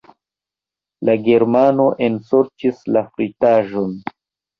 La Germano ensorĉis la fritaĵon.